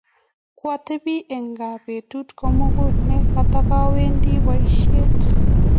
kwa tebi eng kaa petut komugul ne katawendi boishet